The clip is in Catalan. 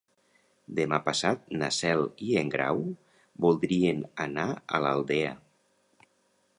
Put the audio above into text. Demà passat na Cel i en Grau voldrien anar a l'Aldea.